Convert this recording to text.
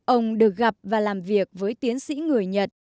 ông được gặp và làm việc với tiến sĩ người nhật